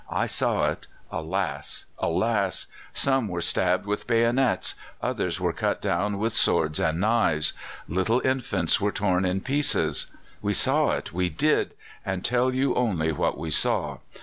I saw it alas! alas! Some were stabbed with bayonets; others were cut down with swords and knives. Little infants were torn in pieces. We saw it, we did, and tell you only what we saw.